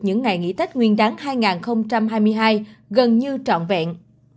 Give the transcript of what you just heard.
những ngày nghỉ tết nguyên đáng hai nghìn hai mươi hai gần như trọn vẹn